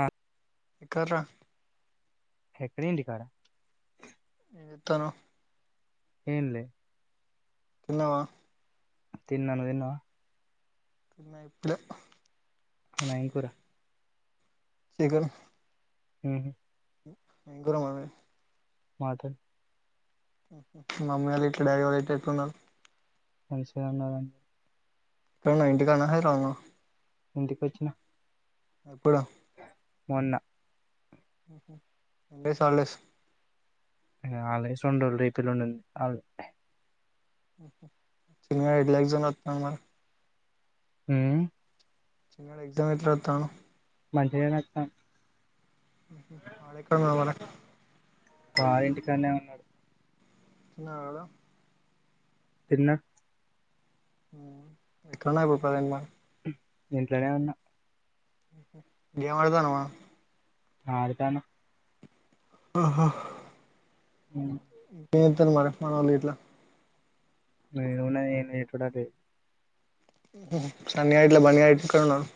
ఆ గర ఎక్కడేంటి ఇంటి కడ తను ఎన్ది తిన్నావా తిన్నాను. నువ్ తిన్నావా? తిన్లె ఏం కూరా చికన్ హ ఏం కూర మాటం మమ్మీ వాళ్ళు, డాడీ వాళ్ళు ఎట్లున్నారు. మంచిగున్నారు ఇంటికాడ ఉన్నవ హైదరాబాద్ లో ఉన్నవ ఇంటికి వచ్చిన ఎప్పుడు మొన్న ఎన్ని డేస్ హాలిడేస్ ఇంకా హాలిడేస్ రేపూ ఎల్లుండి చి ఇలాక్ జ ఉ చిన్న ఎత్ర ఎత్తను మంచిగానే వత్తాను వాకు బ ఇంటికానే ఉన్నాడు. ఆ తిన్న ఇక్కన్నే కుకోతిన్న ఇంట్లనే ఉన్నా గేమ్ ఆడుతానవ ఆడుతానా ఆహా ఉం ఎం చెత్తరు మరిష్ మనళ్లు గిట్లా ఎం ఉన్నది ఏం చేసుడు అదే సన్నీ గాదు గిట్లా బన్నీ ఎక్కన్నారు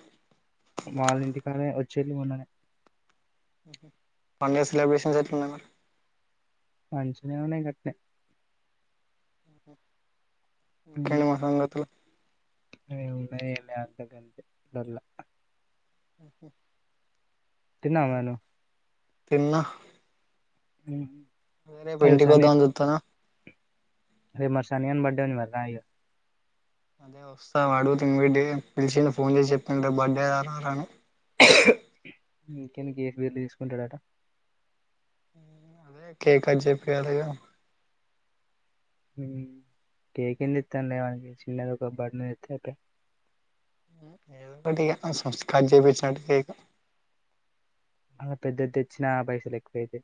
వాళ్ల ఇంటికన్నె వచ్చేళ్లు మొన్ననే పండగ సెలబ్రేషన్స్ ఎట్లున్నాయి మరి మంచిగానే ఉన్నాయ్ గట్నే ఇంకేంటి మరి సంగతులు ఎం ఉన్నయి ఎం లే అంత గంతే ర్ల ఉహు తిన్నావా మరి నువ్ తిన్న ఉం రేపు యింటి కొద్దామని చూత్తన రేపు మ సన్నీ గాని బడ్డే ఉంది మరి రాఇగ అదే వస్తా వాడు గుత ఇన్వైట్ పిలిచిండు ఫోన్ చేసి చెప్పిండు రేపు బర్త్డే రా రా అని [inaudible] ఇంకెందుకిగా బీర్ తీసుకుంటాడట అదే కేక్ కట్ చెప్పియలాగా కేక్ ఎందుకు కండె చిన్నది ఒక బన్ను తెత్తే ఐపయ్ ఏదో ఒకటి సుస్కట్ చేపిచ్చినట్టు కేక్ మళ్ళ పెద్దది తెచ్చినా పైసలు ఎక్కువైతే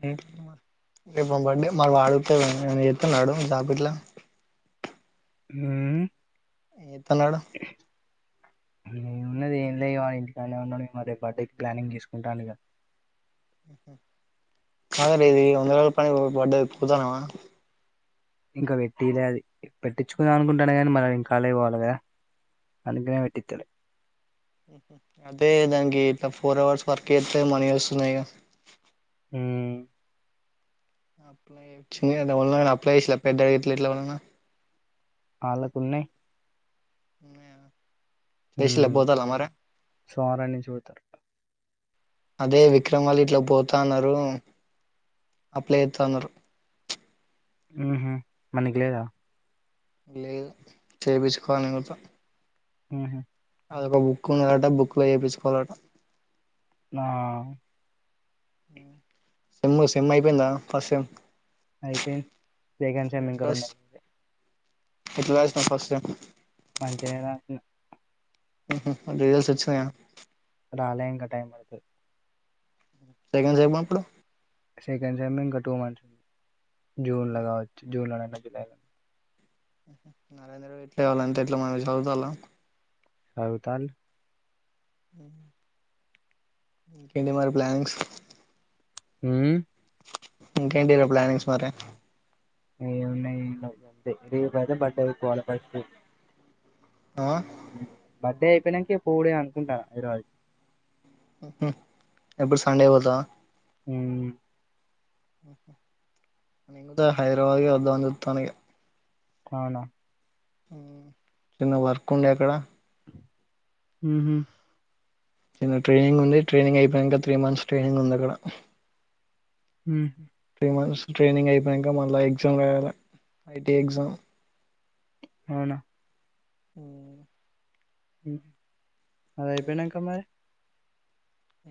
[unintelligible] రేపు మా బర్డే మ వాడు ఎ ఏదన్నా చెత్న్నాడు జాబ్ గిట్లా ఉం ఏం చెత్తన్నాడు నే ఉన్నది ఏం లే వా ఇంటికనే ఉన్నాడు ఈ మ రేపు బర్డెకి ప్లానింగ్ చేసుకుంటాండు ఇగ కాద లేది వందరోజుల పని వాడే పోతనావా ఇంకా పెట్టిలే అది పెట్టించుకుందామనుకుంటాన కానీ మల నేను కాలేజ్ పోవాలి కదా అందుకనే పెట్టిత్తలే ఉహు అదే దానికి ఫోర్ అవర్స్ వర్క్ చేత్తే మనీ వస్తున్నాయిగా ఉం అప్లై ఇచ్చే ఎవళనైనా అప్లై చేశా పెద్ద ఎట్ల ఉన్నావ్ వాళ్ళకున్నాయి ఉ ఏసీలో మ్మ్ పోతారా మరి సోమవారం నుంచి పోతారు అదే విక్రమ్ వాళ్ళు ఇట్లా పోతాన్నారు అప్లై ఏతన్నారు ఉహ మనకి లేదా లేదు చేపించుకోని ఎవరితో హహ అదోక బుక్ ఉన్నదట బుక్ లో చేపిచుకోవాలట ఆ సెమ్ము సేమ్ము అయిపోయింద ఫస్ట్ సెమ్ అయిపోయింది సెకండ్ సెమ్ ఇంకా ఎట్లా రెండే ఎట్లా రాసినావ్ ఫస్ట్ సెమ్ మంచిగా రిజల్ట్స్ వచ్చినాయా రాలె ఇంకా టైం పడతది. సెకండ్ సెమ్ ఎప్పుడు సెకండ్ సెమ్ ఇంకా టూ మంత్స్. జూన్ లా కావచ్చు. జూన్ లోన జూలై లోనే నరేంద్రబ ఎట్లా కావాలంటే ఎట్లా మన చదువుతాల అవు తన్ హు ఇంకేంటి మరి ప్లానింగ్స్ హ్మ్ ఉ ఇంకేటిర ప్లానింగ్స్ మరి ఏ ఉన్నాయి అంతే రేపు అయితే బట్టలు ఉతుక్కోవాలా ఫస్ట్ ఆ బర్త్డే అయిపోయినాంకే పోవుడే అనుకుంటా ఈరో జు ఎప్పుడు సండే పోతావా హుమ్ నేను కూడా హైదరాబాద్ కే వద్దామని చుతన. అవునా హ్మ్ చిన్న వర్క్ ఉండే అక్కడ హుహు చిన్న ట్రైనింగ్ ఉంది. ట్రైనింగ్ అయిపోయినంక, త్రీ మంత్స్ ట్రైనింగ్ ఉంది అక్కడ. ఉ ఫస్ట్ ట్రైనింగ్ అయిపోయాంక మళ్ళా ఎగ్జామ్ రాయాల ఐటీ ఎగ్జామ్. అవునా ఊ ఉ అది అయిపోయినంక మరి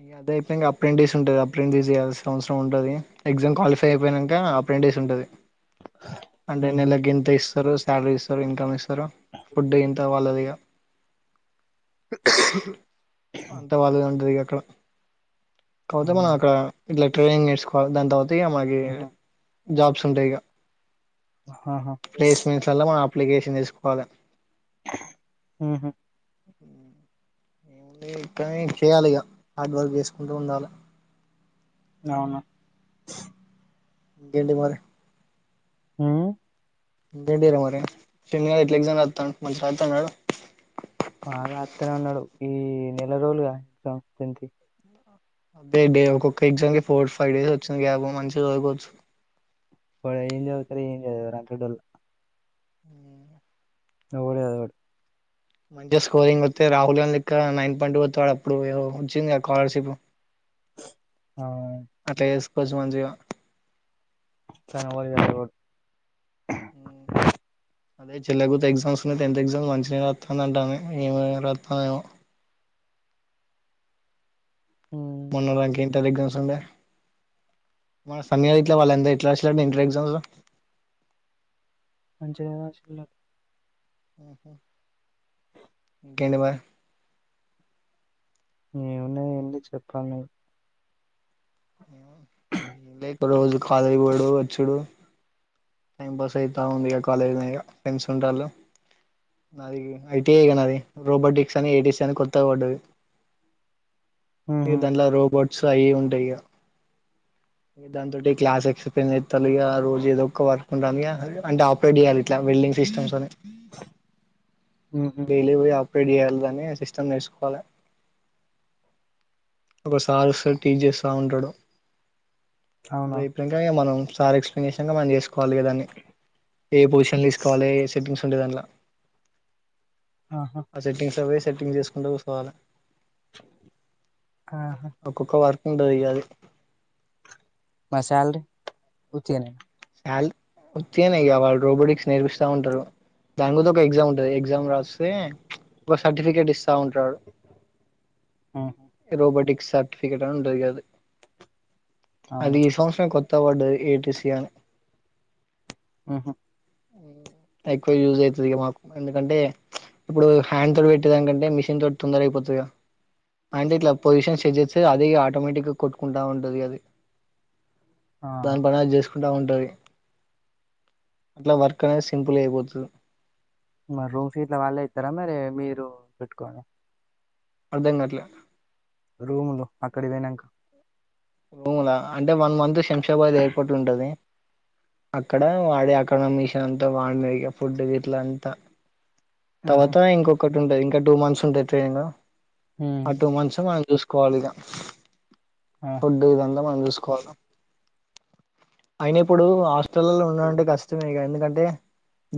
ఇగ అదైతే ఇంగా అప్రెంటీస్ ఉంటది. అప్రెంటీస్ చేయాల్సిన అవసరం ఉంటది ఎగ్జమ్ క్వాలిఫై అయిపోయినాంక ఫ్రె రైస్ ఉంటది అంటే ఉహు, నలగంత ఇస్తారు శాలరీ ఇస్తారు ఇన్కమ్ ఇస్తారు ఫుడ్ ఇంత వాళ్ళది ఇక అంతా బాధగా ఉంటంది అక్కడ కాకపోతే మనం అవునా అక్కడ ఇట్లా ట్రైనింగ్ నేర్చుకోవాలి దాని తర్వాత ఇక మనకి ఉహు, జాబ్స్ ఉంటాయి ఇక ఆహా ప్లేస్మెంట్స్లల్లో మనం అప్లికేషన్ తీసుకోవాలి ఉహు, ఏము కానీ చేయాలి ఇక హార్డ్ వర్క్ చేస్త కొండ వందాల అవును ఇంకేంటి మరి ఆ ఇంకేంటి రా మరి సినియా ఎట్ల ఎగ్జామ్ రాస్తున్నాడు మంచిగా టతనాడు బాగా అత్తనే అన్నాడు ఈ నెల రోజులుగా సంస్ంత అదేడే ఒక్కొక్క ఎగ్జామ్ కి ఫోర్ ఫైవ్ డేస్ వచ్చింది గ్యాబ మంచి చదుకోవచ్చు ఇర ఏం గెడల్ అవుడు అదడు మంచిగా స్కోరింగ్ వస్తే రాహుల్ గాంధీ క్క నైన్ పాయింట్ వస్తాడు అప్పుడుో వచ్చింది స్కాలర్షిప్ ఆ అట్లా చేసుకోవచ్చు మంచిగా [inaudible] అదే చెల్లగత ఎగ్జామ్స్ ఉన్నా టెన్త్ ఎగ్జామ్స్ మంచినే రాస్తాను అంటాను ఏమే రాస్తానే ఏమో మొన్న రాంక ఏంట దగ్గన్స్ంది మన సమీ ఇట్లా వాళ్ళందరుూ ఎట్లా వచ్చ ఇంటర్ ఎగజాస్ మంచిగా ఆహా ఇంకేంటి ఏవున్నా ఏ చెప్పి లీప్ రోజు కాదు యి ఎవడు వచ్చుడు టైం పాస్ అయితా ఉంది ఇక కాలేజ్ నే ఇకా ఫ్రెండ్స్ ఉంటళ్ళు నాది ఐటిఐగా నాది రోబోటిక్స్ అని ఏటీసి అని కొత్త పడ్డది ఉహు దాంట్లో రోబోట్స్ సాయి ఉంటాయ్య దాంతోటి క్లాస్ ఎక్స్ప్లెయిన్ చేతాలు ఇక ఆ రోజు ఎదో ఒక్క వర్క్ రమ్య అంటే ఆపరేట్ చేయాలి ఇట్ల వెల్డింగ్ సిస్టమ్స్ అని ఉహు డైలీ పోయి అ రేడ్ చేయాలిదని సిస్టమ్ నేర్చుకోవాలి ఒకసార్ సారి టీ చేస్తా ఉంటాడు అవునా అదేప్పుడు ఇంకా మనం సార్ ఎక్స్ప్లెయిన్ చేసినకా మనం చేసుకొ లిగో దాన్ని ఏ పొజిషన్లో తీసుకోవాలి ఏ సెట్టింగ్స్ ఉంటాయి దానిలో ఆహా ఆ సెట్టింగ్స్ అవే సెట్టింగ్ చేసుకుంటా కూర్చోవాల ఆహా ఒక్కొక్క వర్క్ ఉంటది గ గాది మా శాలరీ ఉత్తిగానేనా శాలరీ ఉత్తిగానే ఇక వాళ్ళు రోబోటిక్స్ నేర్పిస్తా ఉంటారు దాని మీద ఒక ఎగ్జామ్ ఉంటుంది ఎగ్జామ్ రాస్తే ఒక సర్టిఫికెట్ ఇస్తా ఉంటాడు రోబోటిక్ సర్టిఫికెట్ ఉంటది గది అది అవునా ఈ సంవత్సరమే కొత్త కొత్తది పడ్డది ఏటిసి అని ఉహు ఎక్కువ యూజ్ అయితది ఇక మాకు ఎందుకంటే ఇప్పుడు హ్యాండ్ తోటి పెట్టేదానికంటే మిషన్ తోటి తొందర అయిపోతది గా అంటే ఇట్లా పోజిషన్ సెట్ట్ చే చే అదే ఇక ఆటోమేటిక్ గా కొట్టుకుంటా ఉంటుది దిగది ఆ దాని పని అది చేసుకు దావా ఉంటదది అట్లా వర్క్ అనేది సింపుల్ గా అయిపోతు మరి రూమ్ సీట్లు వాళ్ళే ఇస్తారా మరి మీరు పెట్టుకోవాలా అర్ధం కాటలే రూమ్ లో అక్కడ పోయినాంక రూము ల అంటే వన్ మంత్ షె షంషాబాద్ ఎయిర్పోర్ట్ ఉంటుది అక్కడ వాడి అకానమిషన్ అంతా వాడిన ఫుడ్ ఇట్ల అంతా ఉహు తర్వాత ఇంకొక్కటి ఉంటది ఇంకా టూ మంత్స్ ఉంటాయి ట్రైనింగ్ ఉమ్ ఆటు మంచం వాన్ని చూస్కో ఖాళిగా ఆ ఫుడ్ ఇదంతా మనం చూసుకో కోసం అయిన ఇప్పుడు హాస్టల్లో ల్లో ఉండడం అంటే కష్టమే ఇగ ఎందుకంటే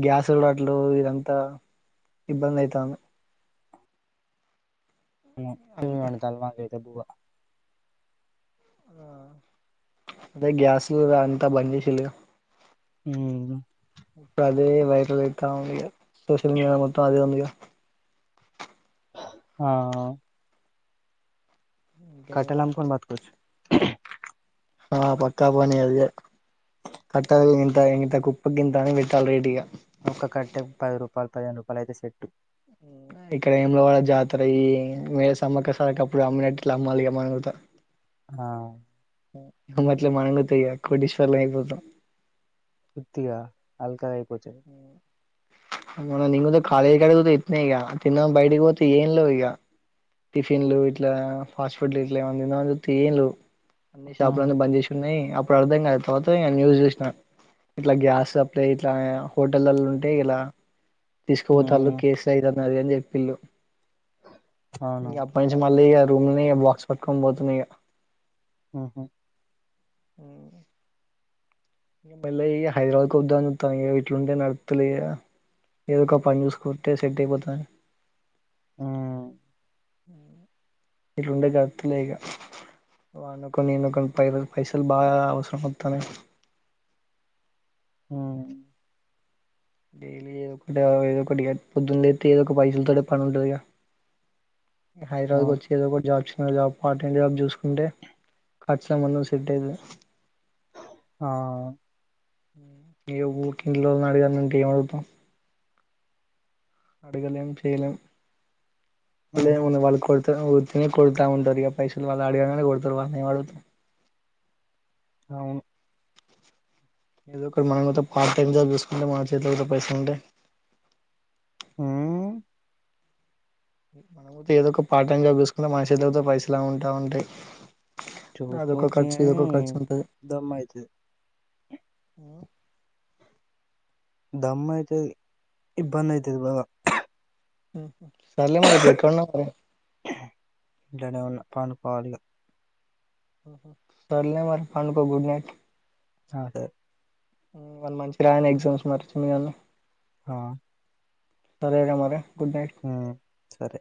గ్యాసుల్రాట్లెవ్ ఇదంతా ఇబ్బంది అయితంది అంత వండుతల్లు మాకైతే బువ్వ ఆ అదే గ్యాస్ మీద అంత బంద్ చేసిల్లుగా ఉమ్ ఇప్పుడు అదే వైరల్ అయితా ఉందిగా సోషల్ మీడియా మొత్తం అదే ఉందిగా ఆ ఇంకేంటి మరి కట్టెలమ్ముకొని బతుకొచ్చు ఆ పక్కా పని అదే కట్టకింత ఇంతకుప్ప గింత అని పెట్టాలే రేటు ఇగ ఒక కట్టెకు పది రూపాలు పదిహేను రూపాలు అయితే సెట్టు ఇక్కడ వేములవాడ జాతర అయి మే సమ్మక్క సారక్క అప్పుడు అమ్మినట్లు ఇప్పుడు ఆ అమ్మాలె మనం గుత [unintelligible] కోటీశ్వరులం అయిపోతం ఉత్తిగా అల్కగా అయి ఊ మొన్న నెంగూత కాలేజ్ కాడ గుత ఇట్నే ఇగ తిందామని బయిటికి పోతే ఏం లేవు ఇగ టిఫిన్లు ఇట్లా ఫాస్ట్ ఫుడ్లు ఇట్లా ఎమన్న తిందామని చూత్తే ఏం లెవ్ ఉమ్ షాపులన్ని బంద్ చేసి ఉన్నాయి అప్పుడు అర్థం కాదు తర్వాత ఇగ న్యూస్ చూసినా ఇట్లా గ్యాస్ లట్ల ఇట్లా హోటల్లల ఉంటాయి ఇలా తీసుకోపోతల్లు ఉమ్ కేసులు అయి అది అని చెప్పిళ్ళు అవును ఇగ అప్పటి నుంచి మళ్ళీ ఇగ రూముల్నే ఇగ బాక్స్ పట్టుకొని పోతున్నా ఇగ ఉహు ఊ ఇగ మెల్లగ ఇగ హైదరాబాద్ కోద్దామని చూస్తన ఇగ ఇట్లుంటే నడుస్తలేదు ఇగ ఏదో ఒక పని చూసుకుంటే సెట్ అయిపోతదని ఆ ఇట్లుంటే గడుస్తలే ఇగ వన్నో కొన్ని విన్నో కొన్ని పైసలు పైసలు బాగా అవసరం వత్తనై ఊ డైలీ ఏదో ఒకటి ఏదో ఒకటిగ పొద్దున్లెత్తే ఏదో ఒక పైసలతోనే పని ఉంటదిగా ఇగ హైదరాబాద్ అవును కొచ్చి ఏదో ఒకటి job job part time job చూసుకుంటే ఖచ్చితంగా [unintelligible] సెట్ అయితది ఆ ఈగ ఊకె ఇంట్లోళ్ళని అడగాలంటే ఏం అడుగుతాం అడుగలేం చేయలేం అళ్ ఉహు ఉ వాళ్ళు కొ ఊ తిన కొడుతా ఉంటరు ఇగ పైసలు వాళ్ళు అదుగంగానే కొడతరు వాళ్ళను ఏం అడుగుతాం అవును ఏదో ఒకటీ మనం గుత పార్ట్ టైమ్ జాబ్ చూసుకుంటే మాన చేతిల కూడా పైసలు ఉంటాే ఉమ్ మనం ఏదో ఒక పార్ట్ టైం జాబ్ చూసుకుంటే మన చేతులసుత పైసలు ఉంటా ఉంటాయి అదొక చూసుకోవచ్చు ఖర్చు ఇదొక కాని ఖర్చు ఉంటది దమ్మయితది దమ్మాయితది ఇబ్బంది అయితది బాగా మ్ సర్లే మరి ఇప్పుడ్ ఎక్కడున్నవ్ మరి పండుకోవాలిగా సర్లే మరి పండుకొ గుడ్ నైట్ అదే వాన్ మంచిగ రాయని ఎగ్జామ్స్ మరి చిన్న గాన్ని హ సరే ఇగ మరి గుడ్ నైట్ సరే